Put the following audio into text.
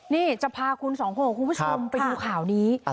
นี่จะพาคุณสองคนคุณผู้ชมไปดูข่าวนี้